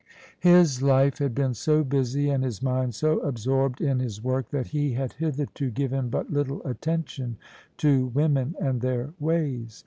His life had been so busy and his mind so absorbed in his work, that he had hitherto given but little attention to women and their ways.